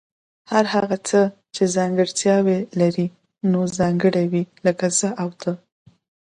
هر هغه څه چي ځانګړتیا لري نو ځانګړي وي لکه زه او ته